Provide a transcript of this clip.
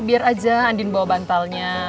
biar aja andin bawa bantalnya